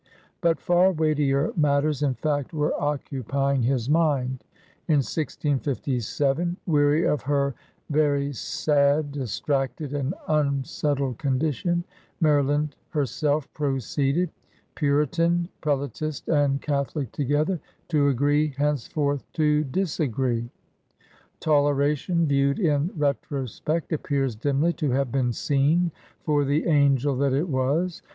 But far weightier matters, in fact, were occupying 156 HONEERS OP THE OLD SOUTH his mind. In 1657, weary of her ^Very sad, dis tracted, and unsettled condition, '' Maryland her self proceeded — Puritan, Prelatist, and Catholic together — to agree henceforth to disagree. Tolera* tion viewed in retrospect appears dimly to have been seen for the angel that it was.